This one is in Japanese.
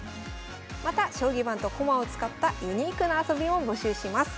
また将棋盤と駒を使ったユニークな遊びも募集します。